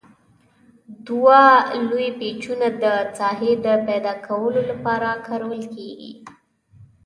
دوه لوی پیچونه د ساحې د پیداکولو لپاره کارول کیږي.